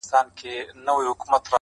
یو لرګی به یې لا هم کړ ور دننه؛